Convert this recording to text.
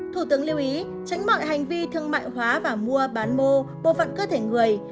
thủ tướng lưu ý tránh mọi hành vi thương mại hóa và mua bán mô bộ phận cơ thể người